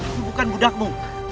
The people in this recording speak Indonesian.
aku bukan budakmu